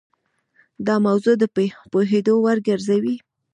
دا موضوع د پوهېدو وړ ګرځوي.